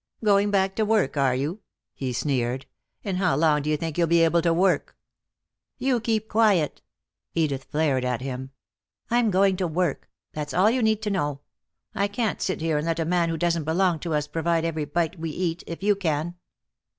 "Going back to work, are you?" he sneered. "And how long do you think you'll be able to work?" "You keep quiet," Edith flared at him. "I'm going to work. That's all you need to know. I can't sit here and let a man who doesn't belong to us provide every bite we eat, if you can."